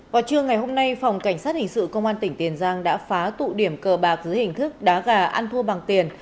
vào trưa ngày hôm nay phòng cảnh sát hình sự công an tỉnh tiền giang đã phá tụ điểm cờ bạc dưới hình thức đá gà ăn thua bằng tiền